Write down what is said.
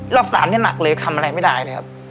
๓นี่หนักเลยทำอะไรไม่ได้เลยครับ